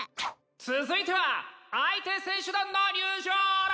続いては相手選手団の入場です！